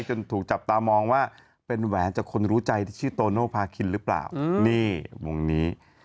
จนถูกจับตามองว่าเป็นแหวนจากคนรู้ใจที่ชื่อโตโนภาคินหรือเปล่านี่วงนี้